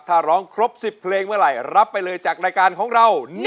ถ้าร้องครบ๑๐เพลงเมื่อไหร่รับไปเลยจากรายการของเรา